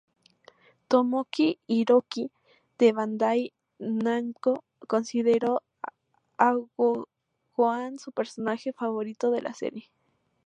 Tomoko Hiroki de Bandai Namco consideró a Gohan su personaje preferido de la serie.